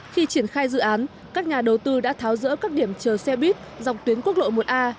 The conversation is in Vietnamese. khi triển khai dự án các nhà đầu tư đã tháo rỡ các điểm chờ xe buýt dọc tuyến quốc lộ một a